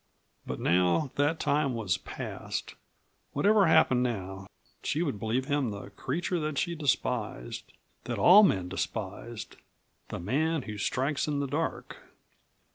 But now that time was past. Whatever happened now she would believe him the creature that she despised that all men despised; the man who strikes in the dark.